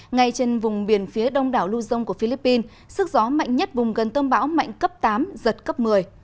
ngay trên vùng biển phía đông đảo lưu dông của philippines sức gió mạnh nhất vùng gần tâm bão mạnh cấp tám giật cấp một mươi